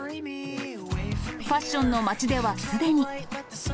ファッションの街ではすでに。